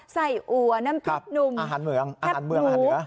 ใส่อัวน้ำพริกหนุ่มแทบหมู